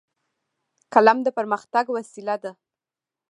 قلم د پرمختګ وسیله ده